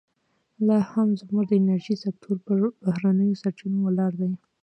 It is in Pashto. لا هم زموږ د انرژۍ سکتور پر بهرنیو سرچینو ولاړ دی.